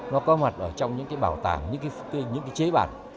nó có mặt trong những bảo tàng những chế bản